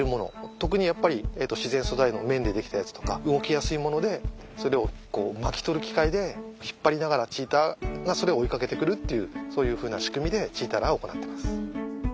特にやっぱり自然素材の綿で出来たやつとか動きやすいものでそれを巻き取る機械で引っ張りながらチーターがそれを追いかけてくるっていうそういうふうな仕組みでチーターランを行ってます。